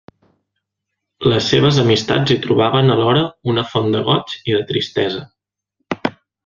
Les seues amistats hi trobaven alhora una font de goig i de tristesa.